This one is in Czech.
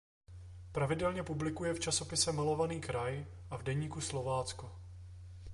Pravidelně publikuje v časopise "Malovaný kraj" a v "Deníku Slovácko".